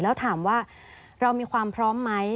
แล้วถามว่าเรามีความพร้อมไหม